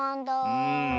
うん。